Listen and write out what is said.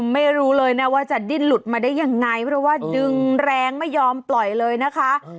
ไม่รู้เลยนะว่าจะดิ้นหลุดมาได้ยังไงเพราะว่าดึงแรงไม่ยอมปล่อยเลยนะคะ